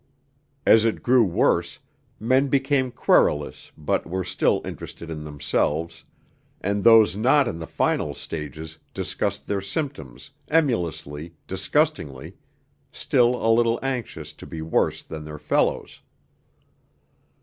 As it grew worse, men became querulous but were still interested in themselves, and those not in the final stages discussed their symptoms, emulously, disgustingly still a little anxious to be worse than their fellows.